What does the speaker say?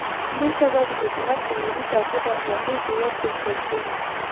بېرته به د حکومت د ملي تعهُد اخلاقي هویت بشپړ شي.